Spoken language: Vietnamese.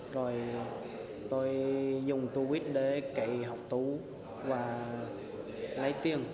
rồi tôi dùng tu bít để cậy học tú và lấy tiền